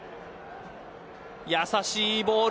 やさしいボール。